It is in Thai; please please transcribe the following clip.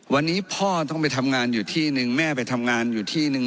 วันนี้พ่อต้องไปทำงานอยู่ที่นึงแม่ไปทำงานอยู่ที่นึง